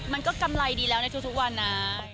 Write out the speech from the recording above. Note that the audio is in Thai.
กำไรดีแล้วในทุกวันนะ